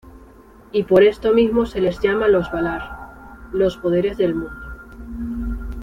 Y por esto mismo se les llama los Valar, los Poderes del Mundo.